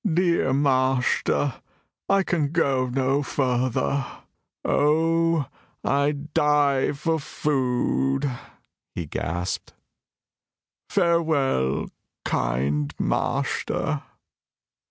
"Dear master, I can go no further. Oh, I die for food!" he gasped. "Farewell, kind master!"